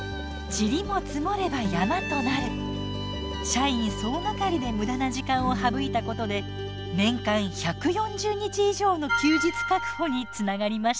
社員総がかりで無駄な時間を省いたことで年間１４０日以上の休日確保につながりました。